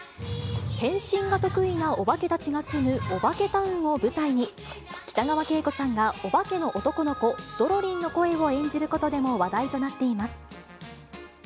変身が得意なオバケたちが住むオバケタウンを舞台に、北川景子さんがオバケの男の子、ドロリンの声を演じることでも話題となっています。